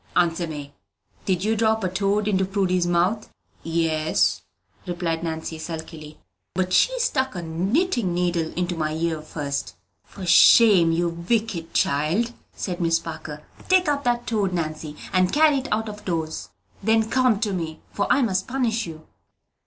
"Answer me; did you drop a toad into Prudy's mouth?" "Yes," replied Nancy, sulkily; "but she stuck a knitting needle into my ear fust!" "For shame, you wicked child," said Miss Parker. "Take up that toad, Nancy, and carry it out of doors; then come to me, for I must punish you."